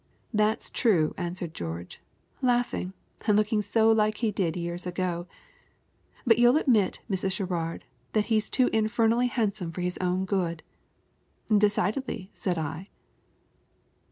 'That's true,' answered George, laughing, and looking so like he did long years ago, 'but you'll admit, Mrs. Sherrard, that he is too infernally handsome for his own good.' 'Decidedly,' said I."